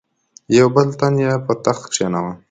یو بل تن یې پر تخت کښېناوه.